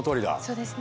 そうですね。